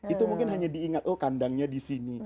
itu mungkin hanya diingat oh kandangnya disini